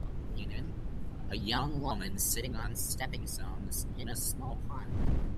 A young woman sitting on stepping stones in a small pond.